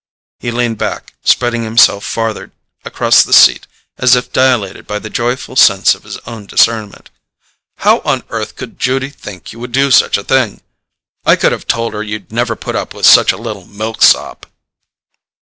He leaned back, spreading himself farther across the seat, as if dilated by the joyful sense of his own discernment. "How on earth could Judy think you would do such a thing? I could have told her you'd never put up with such a little milksop!"